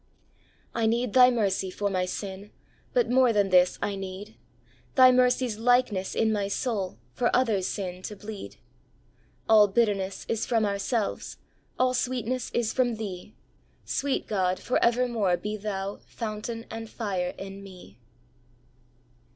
" I need Thy mercy for my sin ; But more than this I need — Thy mercy's likeness in my soul, For others' sin to bleed. " All bitterness is from ourselves, All sweetness is from Thee ; Sweet God, for evermore be Thou Fountain and fire in me."